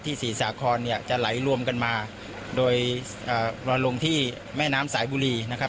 ศรีสาครเนี่ยจะไหลรวมกันมาโดยลอยลงที่แม่น้ำสายบุรีนะครับ